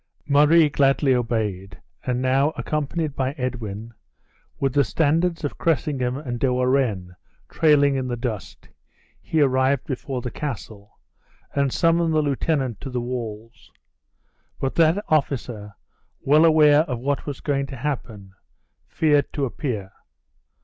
Murray gladly obeyed, and now, accompanied by Edwin, with the standards of Cressingham and De Warenne trailing in the dust, he arrived before the castle, and summoned the lieutenant to the walls. But that officer, well aware of what was going to happen, feared to appear.